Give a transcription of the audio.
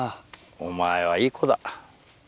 お前はいい子だ。